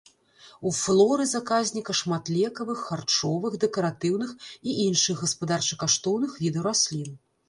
У флоры заказніка шмат лекавых, харчовых, дэкаратыўных і іншых гаспадарча-каштоўных відаў раслін.